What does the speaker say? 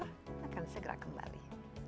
kita akan segera kembali